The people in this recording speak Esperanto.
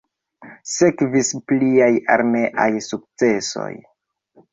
Sekvis pliaj armeaj sukcesoj.